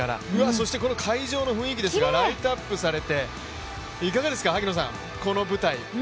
そしてこの会場の雰囲気ですが、ライトアップされて、いかがですか、この舞台。